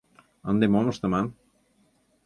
Ынде мом ыштыман?